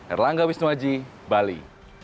erlangga wisnuaji bali